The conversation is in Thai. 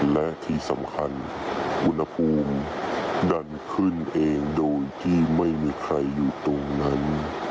และที่สำคัญอุณหภูมิดันขึ้นเองโดยที่ไม่มีใครอยู่ตรงนั้น